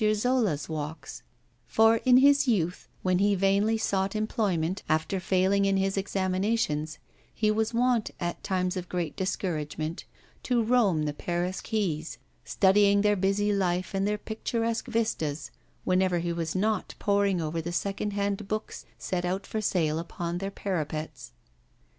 Zola's walks; for, in his youth, when he vainly sought employment after failing in his examinations, he was wont, at times of great discouragement, to roam the Paris quays, studying their busy life and their picturesque vistas, whenever he was not poring over the second hand books set out for sale upon their parapets.